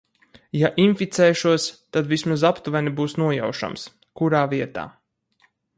Ja inficēšos, tad vismaz aptuveni būs nojaušams, kurā vietā.